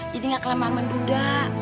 jadi gak kelamaan menduda